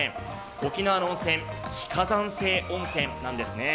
沖縄の温泉、非火山性の温泉なんですね。